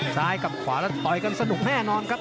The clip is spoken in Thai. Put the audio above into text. ซ้ายกับขวาแล้วต่อยกันสนุกแน่นอนครับ